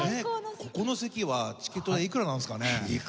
ここの席はチケット代いくらなんですかね？